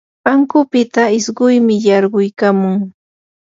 ankunpita isquymi yarquykamun.